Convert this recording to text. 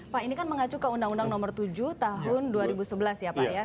pak ini kan mengacu ke undang undang nomor tujuh tahun dua ribu sebelas ya pak ya